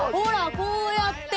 こうやって。